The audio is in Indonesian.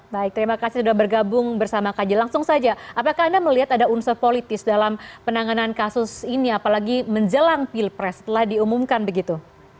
baik terima kasih sudah bergabung bersama kami langsung saja apakah anda melihat ada unsur politis dalam penanganan kasus ini apalagi menjelang pilpres telah diumumkan begitu